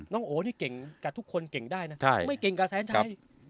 โอนี่เก่งกับทุกคนเก่งได้นะไม่เก่งกับแสนชัย